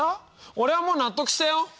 俺はもう納得したよ。